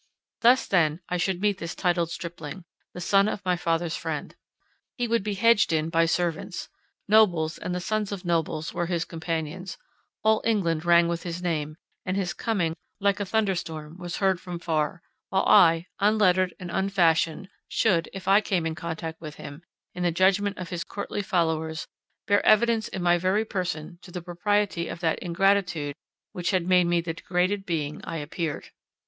Thus then I should meet this titled stripling—the son of my father's friend. He would be hedged in by servants; nobles, and the sons of nobles, were his companions; all England rang with his name; and his coming, like a thunderstorm, was heard from far: while I, unlettered and unfashioned, should, if I came in contact with him, in the judgment of his courtly followers, bear evidence in my very person to the propriety of that ingratitude which had made me the degraded being I appeared.